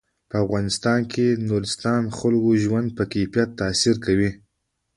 په افغانستان کې نورستان د خلکو د ژوند په کیفیت تاثیر کوي.